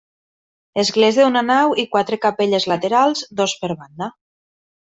Església d'una nau i quatre capelles laterals, dos per banda.